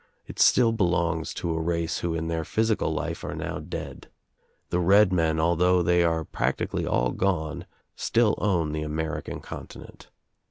It still belongs to a race who in their physical life are now dead. The red men, although they are prac tically all gone still own the American continent.